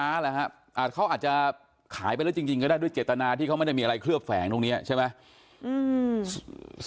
เขาอาจจะขายไปแล้วจริงก็ได้ด้วยเจตนาที่เขาไม่ได้มีอะไรเคลือบแฝงตรงนี้ใช่ไหม